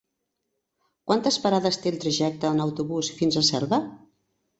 Quantes parades té el trajecte en autobús fins a Selva?